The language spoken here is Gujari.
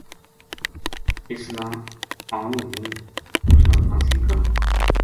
اس ناآنوں ہوں اُس نا پھانسی کروں